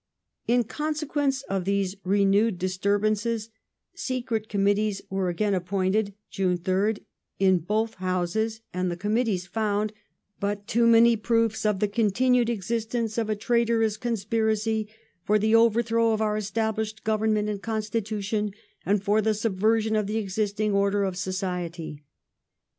In consequence of these renewed disturbances Secret Committees were again appointed (June 3rd) in both Houses, and the Com mittees found '* but too many proofs of the continued existence of a traitorous conspiracy for the overthrow of our established govern ment and constitution and for the subversion of the existing order of society".